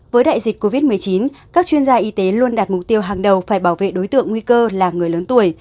với đại dịch covid một mươi chín các chuyên gia y tế luôn đạt mục tiêu hàng đầu phải bảo vệ đối tượng nguy cơ là người lớn tuổi